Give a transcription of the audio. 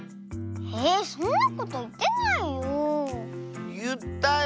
えそんなこといってないよ。